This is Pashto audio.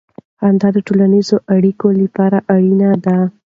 خندا د ټولنیزو اړیکو لپاره اړینه ده.